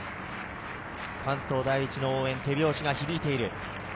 関東第一の応援、手拍子が響いている。